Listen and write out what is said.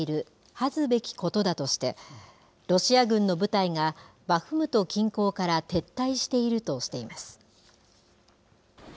恥ずべきことだとして、ロシア軍の部隊がバフムト近郊から撤退しているとしています。